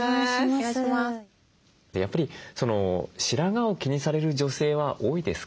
やっぱり白髪を気にされる女性は多いですか？